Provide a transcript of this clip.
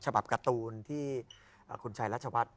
ฉบับการ์ตูนที่คุณชายรัชวัฐ